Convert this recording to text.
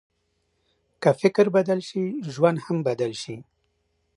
که فکر بدل شي، ژوند هم بدل شي.